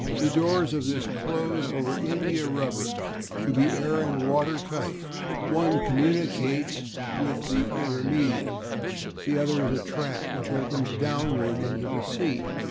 The doors of this close over india rubber to be air and water tight; one communicates with the "intermediate," the other is a trap which opens downwards into the sea.